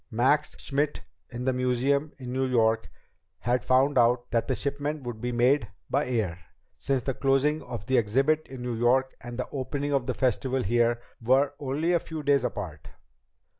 Max Schmidt in the museum in New York had found out that the shipment would be made by air, since the closing of the exhibit in New York and the opening of the Festival here were only a few days apart.